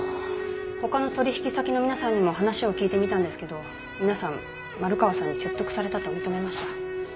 他の取引先の皆さんにも話を聞いてみたんですけど皆さん丸川さんに説得されたと認めました。